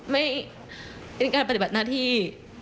ไม่เป็นการปฏิบัตินาธิ